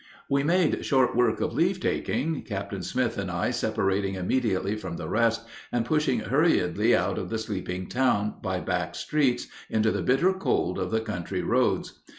We made short work of leave taking, Captain Smith and I separating immediately from the rest, and pushing hurriedly out of the sleeping town, by back streets, into the bitter cold of the country roads.